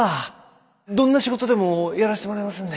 どんな仕事でもやらしてもらいますんで。